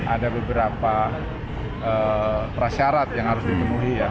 ada beberapa prasyarat yang harus dipenuhi ya